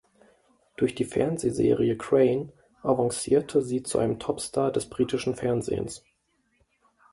Durch die Fernsehserie "Crane" avancierte sie zu einem Topstar des britischen Fernsehens.